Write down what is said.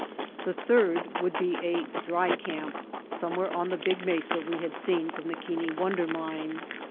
The third would be a *'dry camp," somewhere on the big mesa we had seen from the Keane Wonder Mine.